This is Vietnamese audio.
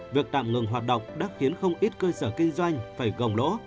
việc tạm ngừng hoạt động đã khiến không ít cơ sở kinh doanh phải gồng lỗ